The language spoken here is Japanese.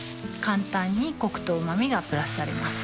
簡単にコクとうま味がプラスされます